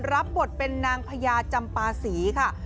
รับบทเป็นนางพญาจำปาศรีค่ะ